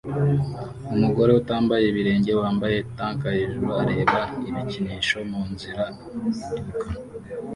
Umugore utambaye ibirenge wambaye tank hejuru areba ibikinisho munzira iduka